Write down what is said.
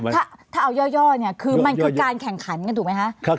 ถ้าเอาย่อเนี่ยคือมันคือการแข่งขันกันถูกไหมคะ